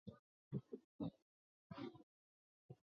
宁康元年。